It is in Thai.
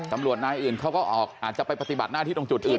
ตำรวจนายอื่นเขาก็ออกอาจจะไปปฏิบัติหน้าที่ตรงจุดอื่น